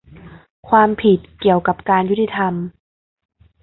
ความผิดเกี่ยวกับการยุติธรรม